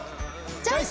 チョイス！